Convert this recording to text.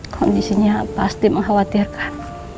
kondisinya pasti mengkhawatirkan